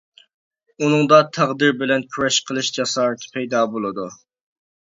ئۇنىڭدا تەقدىر بىلەن كۈرەش قىلىش جاسارىتى پەيدا بولىدۇ.